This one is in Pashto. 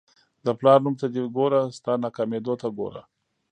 د پلار نوم ته دې ګوره ستا ناکامېدو ته ګوره.